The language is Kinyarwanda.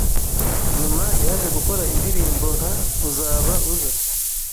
Nyuma yaje gukora indirimbo nka Uzaba Uza